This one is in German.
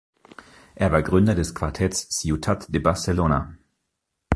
Er war Gründer des Quartetts "Ciutat de Barcelona".